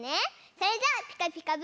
それじゃあ「ピカピカブ！」